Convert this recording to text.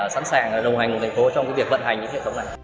sẵn sàng đồng hành cùng thành phố trong việc vận hành những hệ thống này